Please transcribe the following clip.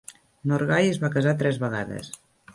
Norgay es va casar tres vegades.